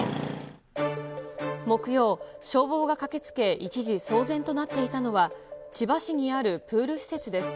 木曜、消防が駆けつけ、一時騒然となっていたのは、千葉市にあるプール施設です。